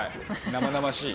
生々しい。